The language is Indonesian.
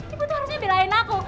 ibu tuh harusnya belahin aku